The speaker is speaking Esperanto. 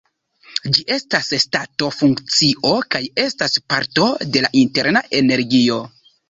Ĝi estas stato-funkcio kaj estas parto de la interna energio.